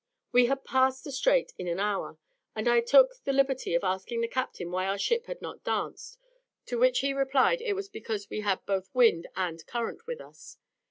We had passed the Strait in an hour, and I took the liberty of asking the captain why our ship had not danced, to which he replied that it was because we had had both wind and current with us.